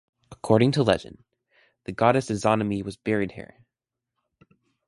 According to legend, the goddess Izanami was buried here.